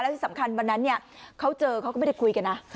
ที่สำคัญวันนั้นเขาเจอเขาก็ไม่ได้คุยกันนะ